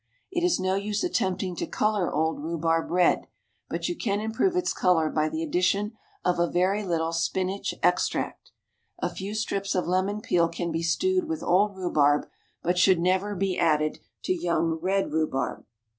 It is no use attempting to colour old rhubarb red, but you can improve its colour by the addition of a very little spinach extract. A few strips of lemon peel can be stewed with old rhubarb, but should never be added to young red rhubarb.